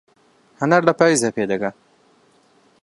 هەنار لە پایزدا پێدەگات